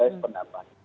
itu benar bang